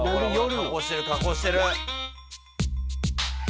加工してる、加工してる。